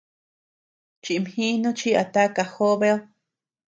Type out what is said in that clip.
Chimjinu chi a taka jobed.